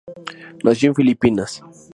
Nació en Filipinas.